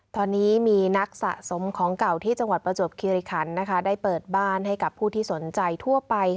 ตอนนี้มีนักสะสมของเก่าที่จังหวัดประจวบคิริคันได้เปิดบ้านให้กับผู้ที่สนใจทั่วไป